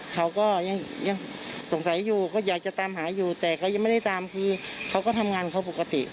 เขาก็ยังสงสัยอยู่ก็อยากจะตามหาอยู่แต่เขายังไม่ได้ตามคือเขาก็ทำงานเขาปกติ